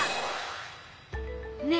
ねえ